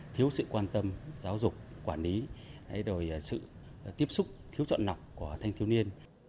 thiếu sự quan tâm giáo dục quản lý rồi sự tiếp xúc thiếu chọn lọc của thanh thiếu niên